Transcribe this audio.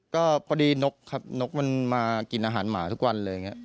ก็พอดีนกครับนกมันมากินอาหารหมาทุกวันเลยอย่างนี้